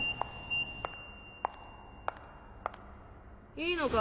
・いいのか？